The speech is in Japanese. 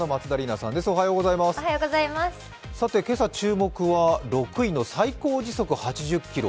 さて、今朝、注目は６位の最高時速８０キロ。